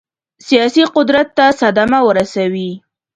سیاسي قدرت ته صدمه ورسوي.